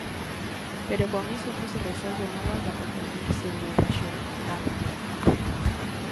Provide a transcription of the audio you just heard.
Pero con iso non se resolve nada da pandemia, señor Raxó, nada, nada.